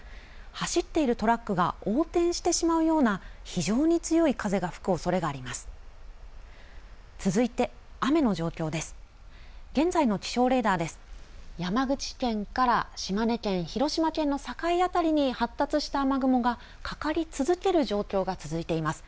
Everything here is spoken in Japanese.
走っているトラックが横転してしまうような、非常に強い風が吹くおそれがあります。